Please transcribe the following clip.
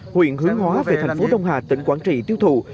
huyện hướng hóa về thành phố đông hà tỉnh quảng trị tiêu thụ